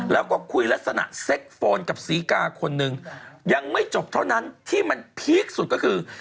แล้วก็คุยลักษณะเซ็กโฟนกับศรีกาคนนึงยังไม่จบเท่านั้นที่มันพีคสุดก็คือ